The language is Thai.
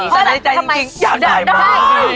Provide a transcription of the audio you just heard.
สบายใจจริงอยากได้มาก